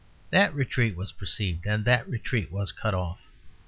That retreat was perceived; and that retreat was cut off.